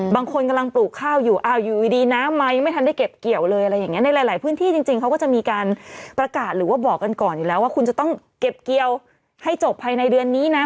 บางคนกำลังปลูกข้าวอยู่อ้าวอยู่ดีน้ำมายังไม่ทันได้เก็บเกี่ยวเลยอะไรอย่างเงี้ในหลายพื้นที่จริงเขาก็จะมีการประกาศหรือว่าบอกกันก่อนอยู่แล้วว่าคุณจะต้องเก็บเกี่ยวให้จบภายในเดือนนี้นะ